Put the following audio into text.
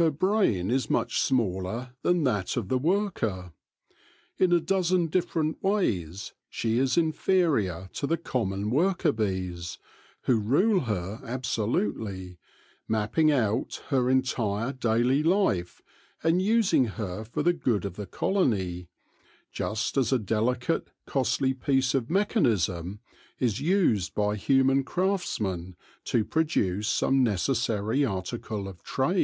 Her brain is much smaller than that of the worker. In a dozen different ways she is inferior to the common worker bees, who rule her absolutely, mapping out her entire daily life and using her for the good of the colony, just as a delicate, costly piece of mechanism is used by human craftsmen to produce some necessary article of trade.